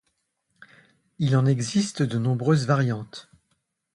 Il en existe de nombreuses variantes.